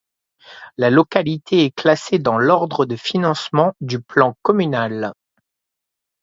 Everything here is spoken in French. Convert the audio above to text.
La localité est classée dans l’ordre de financement du plan communal.